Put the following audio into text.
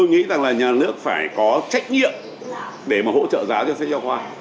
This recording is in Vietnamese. tôi nghĩ rằng là nhà nước phải có trách nhiệm để mà hỗ trợ giáo cho sách giáo khoa